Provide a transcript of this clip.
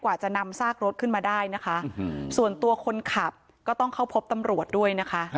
กว่าจะนำซากรถขึ้นมาได้นะคะส่วนตัวคนขับก็ต้องเข้าพบตำรวจด้วยนะคะ